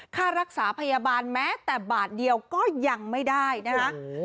ค่ารักษาพยาบาลแม้แต่บาทเดียวก็ยังไม่ได้นะคะ